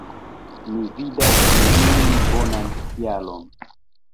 Mi vidas neniun bonan kialon...